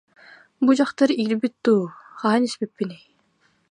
Бу дьахтар иирбит дуу, хаһан испиппиний